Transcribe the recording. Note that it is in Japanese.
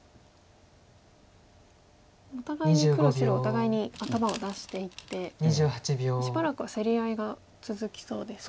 お互いに黒白お互いに頭を出していってしばらくは競り合いが続きそうですか。